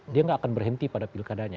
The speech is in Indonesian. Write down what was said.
dia gak akan berhenti pada pilihan dki jakarta